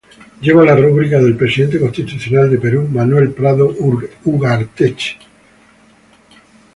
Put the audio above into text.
Lleva la rúbrica del Presidente Constitucional del Perú, Manuel Prado Ugarteche..